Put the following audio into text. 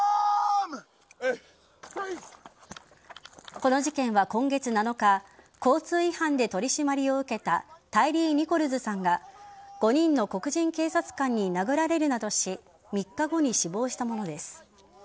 この事件は今月７日交通違反で取り締まりを受けたタイリー・ニコルズさんが５人の黒人警察官に殴られるなどし３日後に死亡したものです。